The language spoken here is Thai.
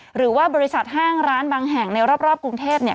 หรือว่าบริษัทห้างร้านบางแห่งในรอบกรุงเทพ